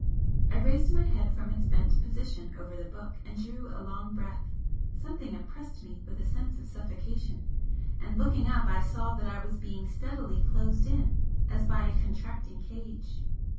I raised my head from its bent position over the book, and drew a long breath something oppressed me with a sense of suffocation, and looking up I saw that I was being steadily closed in, as by a contracting cage.